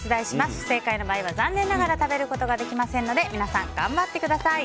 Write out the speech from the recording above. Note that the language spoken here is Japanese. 不正解の場合は残念ながら食べることができませんので皆さん頑張ってください。